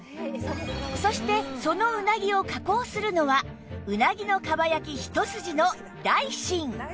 そしてそのうなぎを加工するのはうなぎのかば焼き一筋の大新